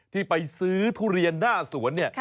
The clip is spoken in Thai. ที่ไปซื้อทุเรียนหน้าสวนเนี่ย